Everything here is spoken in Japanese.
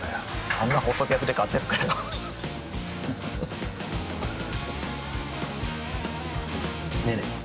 あんな細客で勝てるかよねえねえ